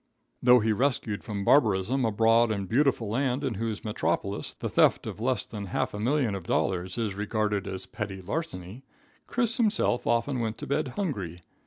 Though he rescued from barbarism a broad and beautiful land in whose metropolis the theft of less than half a million of dollars is regarded as petty larceny, Chris himself often went to bed hungry.